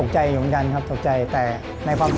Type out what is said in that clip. ช่วยฝังดินหรือกว่า